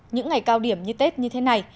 những ngày cao điểm như tết như thế này